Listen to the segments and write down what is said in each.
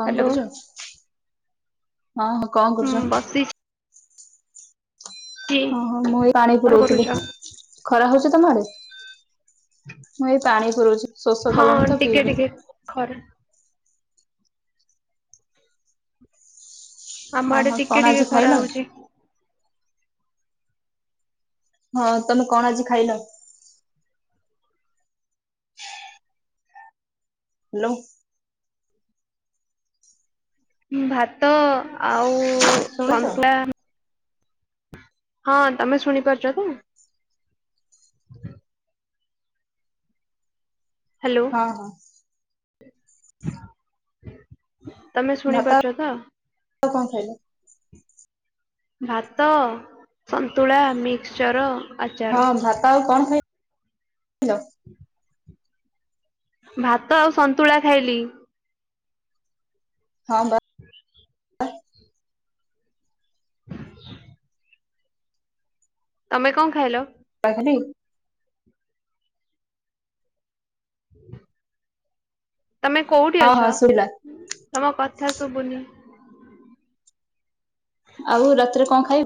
କଣ ହ୍ୟାଲୋ କରୁଛ ହଁ ହଁ କଣ କରୁଛ। ସି। ହଁ ହଁ ମୁଁ ଏ ପାଣି କଣ କରୁଛ? ପୁରଉଥିଲି। ଖରା ହଉଛି ତମ ଆଡେ ମୁଁ ଏଇ ପାଣି ପୁରଉଛି ଶୋଷ ହଁ କଲିଣି ତ ଟିକେ ପିଇବି। ଟିକେ ଖରା। ଆମ ଆଡେ ଓହୋ ଟିକେ କଣ ଟିକେ ଆଜି ଖାଇଲ? ଖରା ହଉଛି। ହଁ ତମେ କଣ ଆଜି ଖାଇଲ। ହାଲୋ। ଭାତ ଆଉ ଶୁଣୁଛ? ସନ୍ତୁଳା। ହଁ ତମେ ଶୁଣିପାରୁଛ ତ। ହାଲୋ। ଅ ହ। ତମେ ଭାତ ଶୁଣିପାରୁଚ ତ। ଆଉ କଁ ଖାଇଲ। ଭାତ ସନ୍ତୁଳା ମିକ୍ସଚର। ଆଚାର। ହଁ ଭାତ ଆଉ କଣ ଖାଇ ହୁଁ ଭାତ ଆଉ ସନ୍ତୁଳା ଖାଇଲି। ହଁ ବା। ହ ତମେ କଁ ଖାଇଲ। ଖାଇଥିଲି। ତମେ କୋଉଠି ହଁ ହଁ ଅଛ ଶୁଭିଲା। ତମ କଥା ଶୁଭୁନି। ଆଉ ରାତିରେ କଁ ଖାଇ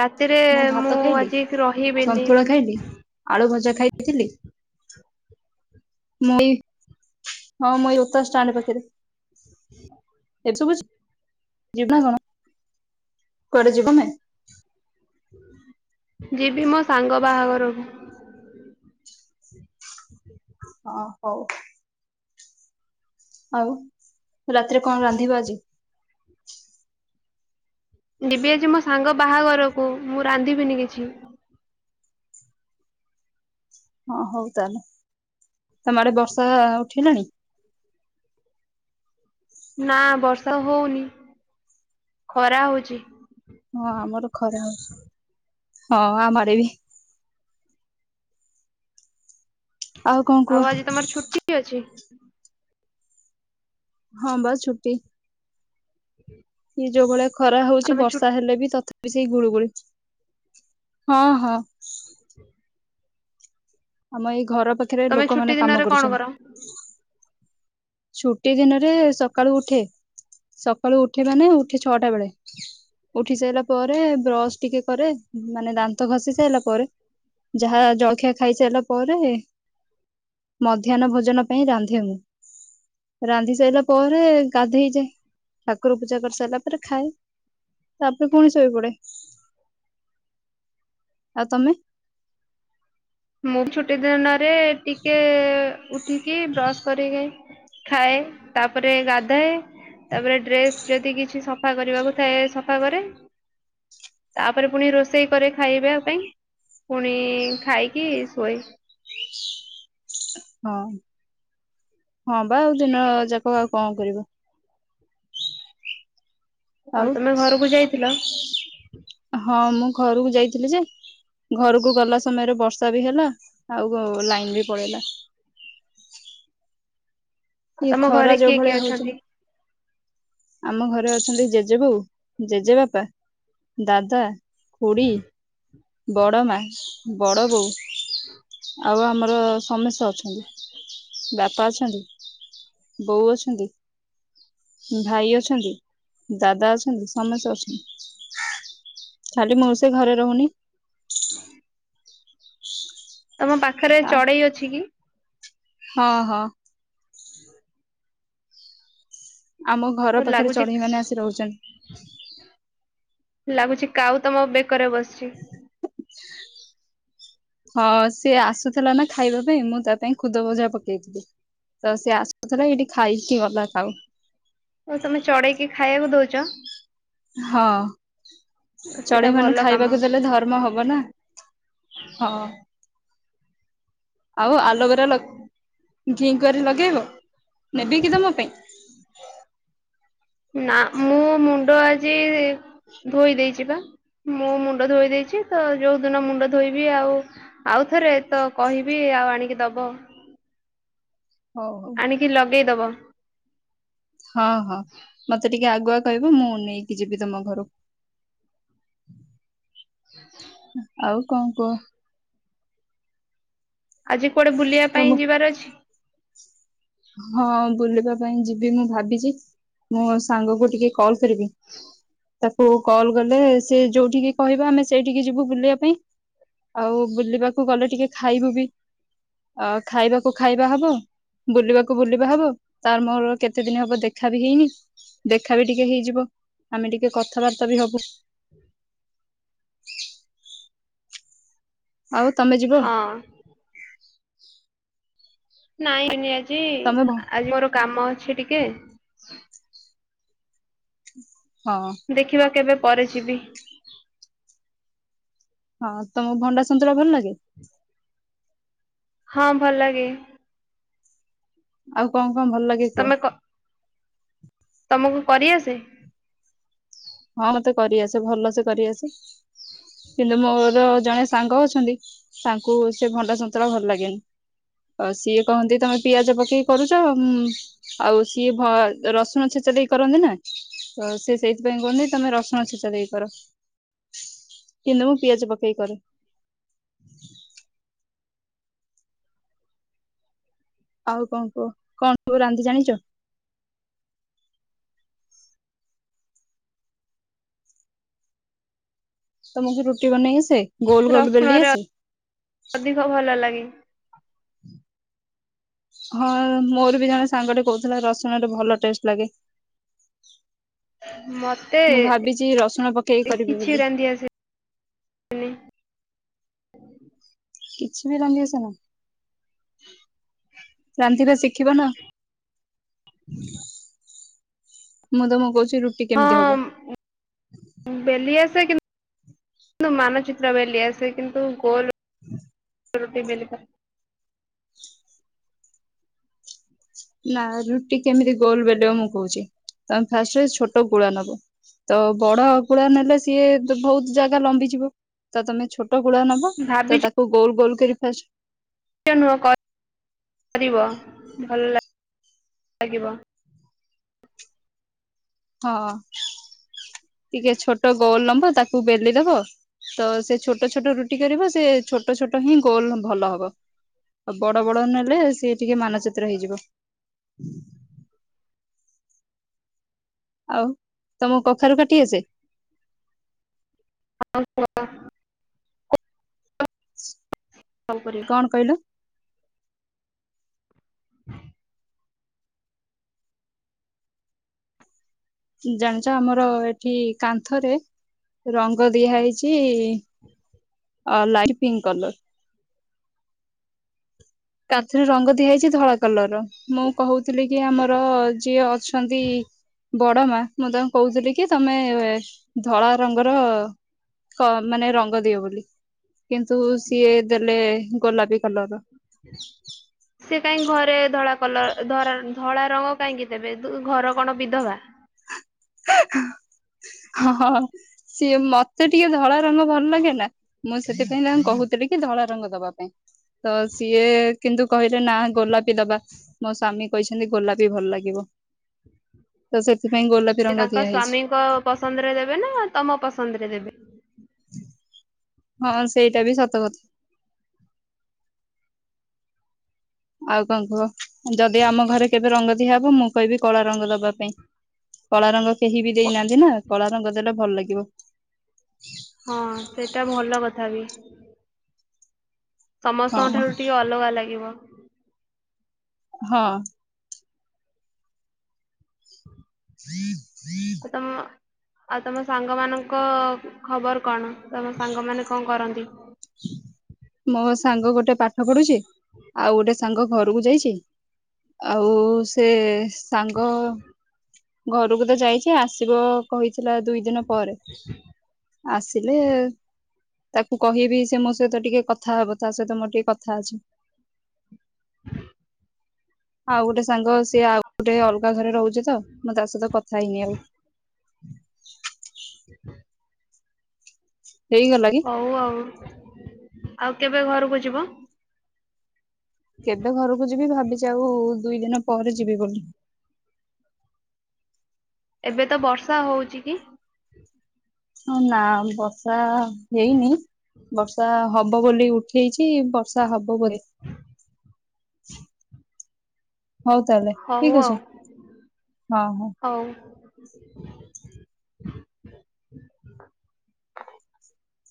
ରାତିରେ ମୁଁ ଭାତ ଖାଇଲି ଆଜି ରହିବିନି ସନ୍ତୁଳା ଖାଇଲି। ଆଳୁ ଭଜା ଖାଇଥିଲି ମୁଁ ଏଇ। ହଁ ମୁଁ ଏଇ ଯୋତା ଷ୍ଟାଣ୍ଡ ପାଖରେ। ଏଠି ସବୁଚି ଯିବି ନା କଣ। କୁଆଡେ ଯିବ ତମେ ଯିବି ମୋ ସାଙ୍ଗ ବାହାଘରକୁ। ହ ଆ ହଉ। ଆଉ ରାତିରେ କଣ ରାନ୍ଧିବ ଆଜି। ଜିବି ଆଜି ମୋ ସାଙ୍ଗ ବାହାଘରକୁ ମୁଁ ରାନ୍ଧିବିନି କିଛି। ହଁ ହଉ ତାହେଲେ ତମ ଆଡେ ବର୍ଷା ଉଠେଇଲାଣି। ନା ବର୍ଷା ହଉନି ଖରା ହଉଛି। ହଁ ଆମର ଖରା ହଉଛି ହଁ ଆମ ଆଡେ ବି। କଣ କୁହ ଆଉ ଆଜି ତମର ଛୁଟି ଅଛି। ହଁ ବା ଛୁଟି। [inaudible] ଇଏ ଯୋଉ ଭଳିଆ ଖରା ଆଉ ହଉଛି ତମେ ଛୁ ବର୍ଷା ହେଲେ ବି ତଥାପି ସେଇ ଗୁଳୁଗୁଳି ହଁ ହଁ। ଆମ ଏଇ ଘର ପାଖରେ ତମେ ଛୁଟି ଲୋକମାନେ ଦିନରେ କାମ କଣ କର? କରୁଛନ୍ତି। ଛୁଟି ଦିନରେ ସକାଳୁ ଉଠେ ସକାଳୁ ଉଠେ ମାନେ ଉଠେ ଛଅଟା ବେଳେ। ଉଠି ସାଇଲା ପରେ ବ୍ରସ ଟିକେ କରେ ମାନେ ଦାନ୍ତ ଘସି ସାଇଲା ପରେ। ଯାହା ଜଳଖିଆ ଖାଇ ସାରିଲା ପରେ। ମଧ୍ୟାହ୍ନ ଭୋଜନ ପାଇଁ ରାନ୍ଧେ ମୁଁ। ରାନ୍ଧି ସାଇଲା ପରେ ଗାଧୋଇ ଯାଏ ଠାକୁର ପୂଜା କରି ସାଇଲା ପରେ ଖାଏ। ତାପରେ ପୁଣି ଶୋଇ ପଡେ ଆଉ ତମେ। ମୁଁ ଛୁଟି ଦିନରେ ଟିକେ ଉଠିକି ବ୍ରଶ କରିକି। ଖାଏ ତାପରେ ଗାଧାଏ। ତାପରେ ଡ୍ରେସ ଯଦି କିଛି ସଫା କରିବାକୁ ଥାଏ ସଫା କରେ। ତାପରେ ପୁଣି ରୋଷେଇ କରେ ଖାଇବା ପାଇଁ ପୁଣି ଖାଇକି କି ଶୁଏ। ହଁ ହଁ ବା ଆଉ ଦିନ ଯାକ ଆଉ କଣ କରିବ? ଆଉ ତମେ ଘରକୁ ଯାଇଥିଲ? ହଁ ମୁଁ ଘରକୁ ଯାଇଥିଲି ଯେ ଘରକୁ ଗଲା ସମୟରେ ବର୍ଷା ବି ହେଲା ଆଉ ଗ ଲାଇନ ବି ପଳେଇଲା। ଆଉ ଇଏ ତମ ଘରେ ଖରା ଯୋଉ କିଏ କିଏ ଭଳିଆ ହଉଚି। ଅଛନ୍ତି? ଆମ ଘରେ ଅଛନ୍ତି ଜେଜେ ବୋଉ ଜେଜେବାପା ଦାଦା ଖୁୁଡି ବଡ ମା ବଡ ବୋଉ ଆଉ ଆମର ସମେସ୍ତ ଅଛନ୍ତି ବାପା ଅଛନ୍ତି ବୋଉ ଅଛନ୍ତି। ଭାଇ ଅଛନ୍ତି ଦାଦା ଅଛନ୍ତି ସମସ୍ତେ ଅଛନ୍ତି। ଖାଲି ମୁଁ ସେ ଘରେ ରହୁନି। [inaudible] ତମ ପାଖରେ ଚଢ଼େଇ ଅଛି କି? ହଁ ହଁ। ଆମ ଘର ପାଖରେ ଲାଗୁଛି ଚଢେଇ ମାନେ ଆସି ରହୁଛନ୍ତି। ଲାଗୁଛି କାଉ ତମ ବେକରେ ବସିଛି। ହଁ ସିଏ ଆସୁଥିଲା ନା ଖାଇବା ପାଇଁ ମୁଁ ତା ପାଇଁ ଖୁଦ ଭଜା ପକେଇଥିଲି ତ ସେ ଆ [unintelligible] ଏଇଠି ଖାଇକି ଗଲା କାଉ। ଆଉ ତମେ ଚଢେଇକି ଖାଇବାକୁ ଦଉଛ? ହଁ ସେଟା ଚଢେଇ ମାନେ ଭଲ କାମ ଖାଇବାକୁ ଦେଲେ ଧର ମ ହବ ନା ହଁ। ଆଉ ଆଲୋଭେରା ଲଗ୍ ଘିଁ କୁଆଁରି ଲଗେଇବ ନେବି କି ତମ ପାଇଁ? ନା ମୁଁ ମୁଣ୍ଡ ଆଜି ଧୋଇ ଦେଇଛି ବା। ମୁଁ ମୁଣ୍ଡ ଧୋଇ ଦେଇଛି ତ ଯୋଉ ଦିନ ମୁଣ୍ଡ ଧୋଇବି ଆଉ ଆଉ ଥରେ ତ କହିବି ଆଉ ଆଣିକି ଦବ। ହଉଁ ହଉ। ଟିକି ଲଗେଇ ଦବ। ହଁ ହଁ ମତେ ଟିକେ ଆଗୁଆ କହିବ ମୁଁ ନେଇକି ଯିବି ତମ ଘରୁ [inaudible] ଆଉ କଣ କୁହ? ଆଜି କୁଆଡେ ବୁଲିବା ତମ ପାଇଁ ଯିବାର ଅଛି? ହଁ ବୁଲିବା ପାଇଁ ଯିବି ମୁଁ ଭାବିଛି ମୋ ସାଙ୍ଗକୁ ଟିକେ କଲ କରିବି ତାକୁ କଲ କଲେ ସେ ଯୋଉଠିକି କହିବା ଆମେ ସେଇଠିକି ଯିବୁ ବୁଲିବା ପାଇଁ ଆଉ ବୁଲିବାକୁ ଗଲେ ଟିକେ ଖାଇବୁ ବି ଆ ଖାଇବାକୁ ଖାଇବା ହବ ବୁଲିବାକୁ ବୁଲିବା ହବ ତାର ମୋର କେତେ ଦିନ ହବ ଦେଖା ବି ହେଇନି ଦେଖା ବି ଟିକେ ହେଇଯିବ ଆମେ ଟିକେ କଥାବାର୍ତ୍ତା ବି ହବୁ। [unintelligible] ଆଉ ତମେ ଯିବ? ହଁ ନାଇଁ ଯିବିନି ଆଜି ତମେ ଭ- ଆଜି ମୋର କାମ ଅଛି ଟିକେ ହଁ ଦେଖିବା କେବେ ପରେ ଯିବି। ହଁ ତମକୁ ଭଣ୍ଡା ସନ୍ତୁଳା ଭଲ ଲାଗେ? ହଁ ଭଲ ଲାଗେ। ଆଉ କଣ କଣ ଭଲ ଲାଗେ? କୁହ ତମେ କ ତମକୁ କରିଆସେ? ହଁ ମତେ କରିଆସେ ଭଲ ସେ କରିଆସେ। କିନ୍ତୁ ମୋର ଜଣେ ସାଙ୍ଗ ଅଛନ୍ତି ତାଙ୍କୁ ସେ ଭଣ୍ଡା ସନ୍ତୁଳା ଭଲ ଲାଗେନି। ଆ ସିଏ କହନ୍ତି ତମେ ପିଆଜ ପକେଇ କରୁଛ ଉଁମ ଆଉ ସିଏ ହଁ ରସୁଣ ଛେଚା ଦେଇ କରନ୍ତି ନା ତ ସେ ସେଇଥିପାଇଁ କୁହନ୍ତି ତମେ ରସୁଣ ଛେଚା ଦେଇ କର କିନ୍ତୁ ମୁଁ ପିଆଜ ପକେଇ କରେ। ଆଉ କଣ କୁହ କଣ ସବୁ ରାନ୍ଧି ଜାଣିଛ? ତମକୁ ରୁଟି ବନେଇ ଆସେ? ଗୋଲ ଗୋଲ ବେଲି ରସୁଣରେ ଆସେ ଅଧିକ ଭଲ ଲାଗେ। ହଁ ମୋର ବି ଜଣେ ସାଙ୍ଗଟେ କହୁଥିଲା ରସୁଣରେ ଭଲ ଟେଷ୍ଟ ଲାଗେ। ମତେ ମୁଁ ଭାବିଚି ରସୁଣ ପକେଇକି କରିବି କିଛି ବୋଲି। ରାନ୍ଧି ଆସେନି [unintelligible] କିଛି ବି ରାନ୍ଧିଆସେନା ରାନ୍ଧିବା ଶିଖିବନା ଆଉ। ମୁଁ ତୁମକୁ କହୁଛି ରୁ ହଁ ଅଁ ବେଲି ଆସେ କିନ୍ତୁ ମାନଚିତ୍ର ବେଲି ଆସେ କିନ୍ତୁ ଗୋଲ [unintelligible] ରୁଟି ବେଲିବା ନା ରୁଟି କେମିତି ଗୋଲ ବେଲିବ ମୁଁ କହୁଛି ତମେ ଫାଷ୍ଟରେ ଛୋଟ ଗୁଳା ନବ। ତ ବଡ ଗୁଳା ନେଲେ ସିଏ ବହୁତ ଜାଗା ଲମ୍ବିଯିବ ତ ତମେ ଛୋଟ ଗୁଳା ନବ। ତ ଭାବିଚ ତାକୁ ଗୋଲ ଗୋଲ କରିକି ଫାଷ୍ଟ [inaudible] କରିବ ଭଲ ଲାଗିବ। ହଁ ଅଁ ଟିକେ ଛୋଟ ଗୋଲ ଲମ୍ବ ତାକୁ ବେଲି ଦବ। ତ ସେ ଛୋଟ ଛୋଟ ରୁଟି କରିବ ସେ ଛୋଟ ଛୋଟ ହିଁ ଗୋଲ ଭଲ ହବ। ଆଉ ବଡ ବଡ ନେଲେ ସିଏ ଟିକେ ମାନଚିତ୍ର ହେଇଯିବ। ଆଉ ତମକୁ କଖାରୁ କାଟି ଆସେ? [inaudible] କଲ କଣ କରିବ। କହିଲ [unintelligible] ଜାଣିଛ ଆମର ଏଠି କାନ୍ଥରେ ରଙ୍ଗ ଦିଆ ହେଇଛି ଇ ଅ ଲାଇଟ୍ ପିଙ୍କ କଲର। କାନ୍ଥରେ ରଙ୍ଗ ଦିଆଯାଇଛି ଧଳା କଲର ର। ମୁଁ କହୁଥିଲି କି ଆମର ଯିଏ ଅଛନ୍ତି ବଡ ମା ମୁଁ ତାଙ୍କୁ କହୁଥିଲି କି ତମେ ଏ ଧଳା ରଙ୍ଗର ମାନେ ରଙ୍ଗ ଦିଅ ବୋଲି କିନ୍ତୁ ସିଏ ଦେଲେ ଗୋଲାପୀ କଲର ର। [inaudible] କାହିଁକ ଘରେ ଧଳା କଲର ଧରା ଧଳା ରଙ୍ଗ କାହିଁକି ଦେବେ ଘର କଣ ବିଧବା। ହ ହଁ ସିଏ ମତେ ଟିକେ ଧଳା ରଙ୍ଗ ଭଲ ଲାଗେ ନା। ମୁଁ ସେଥିପାଇଁ ତାଙ୍କୁ କହୁଥିଲି କି ଧଳା ରଙ୍ଗ ଦବା ପାଇଁ ତ ସିଏ କିନ୍ତୁ କହିଲେ ନା ଗୋଲାପି ଦବା। ମୋ ସ୍ୱାମୀ କହିଛନ୍ତି ଗୋଲାପୀ ଭଲ ଲାଗିବ ତ ସେଥିପାଇଁ ଗୋଲାପୀ ସିଏ ରଙ୍ଗ ତାଙ୍କ ଦିଆ ହେଇଛି ସ୍ଵାମୀଙ୍କ ପସନ୍ଦରେ ଦେବେ ନା ତମ ପସନ୍ଦରେ ଦେବେ। [inaudible] ହଁ ସେଇଟା ବି ସତ କଥା। ଆଉ କଣ କୁହ ଯଦି ଆମ ଘରେ କେବେ ରଙ୍ଗ ଦିଆହବ ମୁଁ କହିବି କଳା ରଙ୍ଗ ଦବା ପାଇଁ। କଳା ରଙ୍ଗ କେହି ବି ଦେଇନାହାନ୍ତି ନା କଳା ରଙ୍ଗ ଦେଲେ ଭଲ ଲାଗିବ। ହଁ ସେଇଟା ଭଲ କଥା ବି। ସମସ୍ତଙ୍କ ହଁ ଠାରୁ ଟିକେ ଅଲଗା ଲାଗିବ। ହଁ। [inaudible] ତମ ଆଉ ତମ ସାଙ୍ଗ ମାନଙ୍କ ଖବର କଣ? ତମ ସାଙ୍ଗମାନେ କଣ କରନ୍ତି? ମୋ ସାଙ୍ଗ ଗୋଟେ ପାଠ ପଢୁଚି ଆଉ ଗୋଟେ ସାଙ୍ଗ ଘରୁକୁ ଯାଇଚି। ଆଉ ସେ ସାଙ୍ଗ ଘରୁକୁ ତ ଯାଇଛି ଆସିବ। କହିଥିଲା ଦୁଇ ଦିନ ପରେ ଆସିଲେ ତାକୁ କହିବି ସେ ମୋ ସହିତ ଟିକେ କଥା ହବ ତା ସହିତ ମୋର ଟିକେ କଥା ଅଛି। ଆଉ ଗୋଟେ ସାଙ୍ଗ ସିଏ ଆଉ ଗୋଟେ ଅଲଗା ଘରେ ରହୁଛି ତ ମୁଁ ତା ସହିତ କଥା ହେଇନି ଆଉ। [inaudible] ହେଇଗଲା। କି ହଉ ଆଉ ଆଉ କେବେ ଘରୁକୁ ଯିବ। କେବେ ଘରକୁ ଯିବି ଭାବିଚି ଆଉ ଦୁଇ ଦିନ ପରେ ଯିବି ବୋଲି। ଏବେ ତ ବର୍ଷା ହଉଛି କି? ହଁ ନା ବର୍ଷା ହେଇନି ବର୍ଷା ହବ ବୋଲି ଉ ହେଇଛି ବର୍ଷା ହବ ବୋରେ। ହଉ ତାହେଲେ ହଉ ଠିକ ଆଉ ଅଛି ହଁ ହଁ। ହଉ।